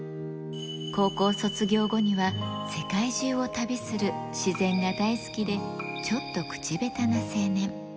高校卒業後には、世界中を旅する自然が大好きで、ちょっと口下手な青年。